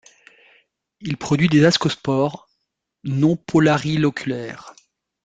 Il produit des ascospores non polariloculaires.